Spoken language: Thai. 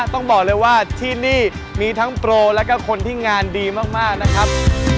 ต้องบอกเลยว่าที่นี่มีทั้งโปรแล้วก็คนที่งานดีมากนะครับ